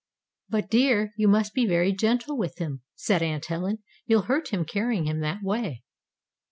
"But, dear, you must be very gentle with him," said Aunt Helen. "You'll hurt him carrying him that way."